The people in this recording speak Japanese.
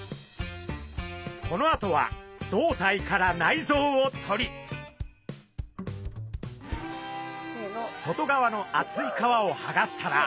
このあとは胴体から内臓を取り外側の厚い皮をはがしたら。